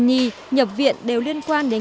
nhi nhập viện đều liên quan đến